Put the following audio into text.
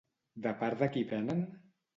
De part de qui venen?